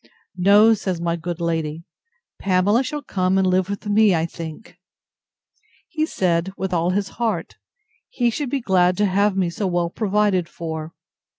—No, says my good lady, Pamela shall come and live with me, I think. He said, with all his heart; he should be glad to have me so well provided for.